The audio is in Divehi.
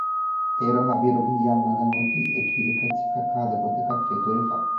އޭރު ހަވީރުގެ ހިޔާ މަގަށް އޮތީ އެކީ އެކައްޗަކަށް ކަހަލަ ގޮތަކަށް ފެތުރިފަ